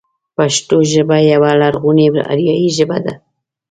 پښتو ژبه يوه لرغونې اريايي ژبه ده.